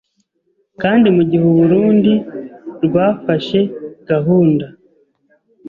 kandi mu gihe u Burunndi rwafashe gahunda